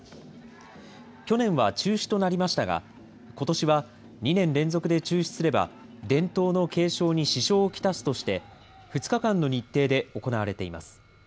去年は中止となりましたが、ことしは２年連続で中止すれば、伝統の継承に支障を来すとして、２日間の日程で行われています。